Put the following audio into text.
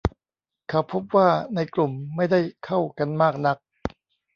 เขาพบว่าในกลุ่มไม่ได้เข้ากันมากนัก